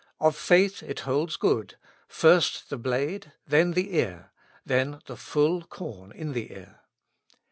Of faith it holds good: first the blade, then the ear, then the full corn in the ear.